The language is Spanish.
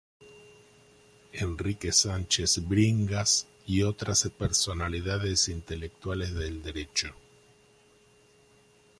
Enrique Sánchez Bringas y otras personalidades intelectuales del Derecho.